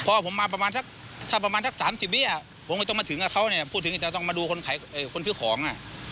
พอผมมาประมาณถ้าประมาณสัก๓๐เบี้ยผมไม่ต้องมาถึงกับเขาเนี่ยพูดถึงจะต้องมาดูคนซื้อของ